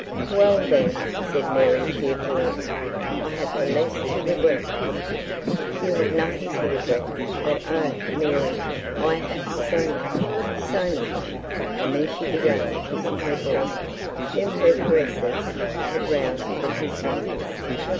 'Well then,' said Mary cheerfully, 'I have the less to regret.' 'You have nothing to regret; but oh! Mary, I have so much so much;' and then she began kissing her boy, whom her caresses had aroused from his slumbers.